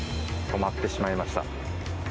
止まってしまいました。